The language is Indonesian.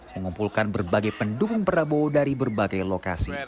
mengumpulkan berbagai pendukung prabowo dari berbagai lokasi